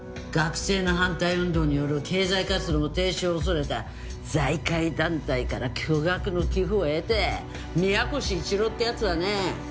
学生の反対運動による経済活動の停止を恐れた財界団体から巨額の寄付を得て宮越一郎って奴はね